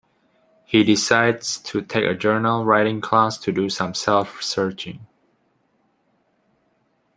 He decides to take a journal writing class to do some self-searching.